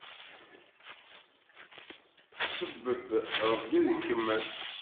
Sebbeb, Ṛebbi ad ikemmel!